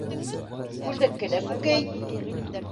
Күлдәккә лә - күкәй